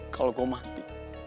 kalau gue mati